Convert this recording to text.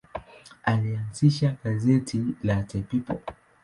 Alianzisha gazeti la The People.